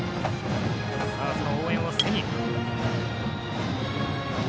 その応援を背に。